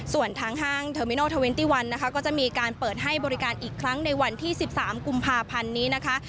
ส่วนทางห้างเทอร์มินอล๒๑ก็จะมีการเปิดให้บริการอีกครั้งในวันที่๑๓กุมภาพันธุ์นี้นะคะ